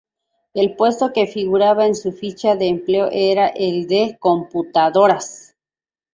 El puesto que figuraba en su ficha de empleo era el de "computadoras".